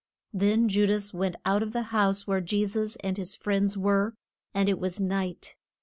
Then Ju das went out of the house where Je sus and his friends were; and it was night.